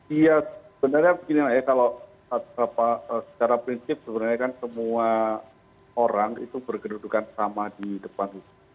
iya sebenarnya begini nak ya kalau secara prinsip sebenarnya kan semua orang itu bergedudukan sama di depan